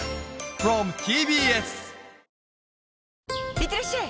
いってらっしゃい！